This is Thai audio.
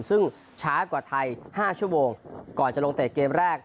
ซึ่งช้ากว่าไทย๕ชั่วโมงก่อนจะลงเตะเกมแรก